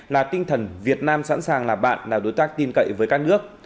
là tinh thần việt nam sẵn sàng là bạn là đối tác tin cậy với các nước